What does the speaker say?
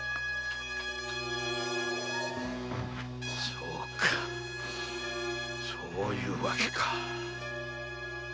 そうかそういう訳か。